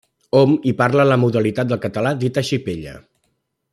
Hom hi parla la modalitat del català dita xipella.